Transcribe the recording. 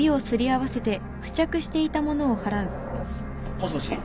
☎もしもし？